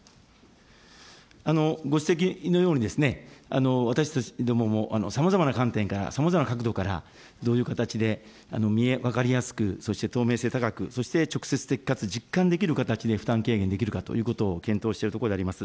ご指摘のようにですね、私どももさまざまな観点から、さまざまな角度から、どういう形でみえ、分かりやすく、そして透明性高く、そして直接的かつ実感できる形で負担軽減できるかということを検討しているところであります。